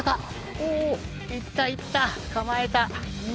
おぉ行った行った捕まえた。